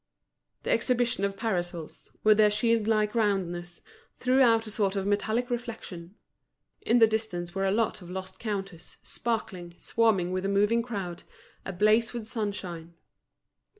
The exhibition of parasols, with their shield like roundness, threw out a sort of metallic reflection. In the distance were a lot of lost counters, sparkling, swarming with a moving crowd, ablaze with sunshine.